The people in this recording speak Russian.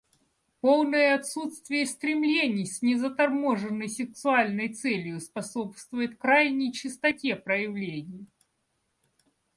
Полное отсутствие стремлений с незаторможенной сексуальной целью способствует крайней чистоте проявлений.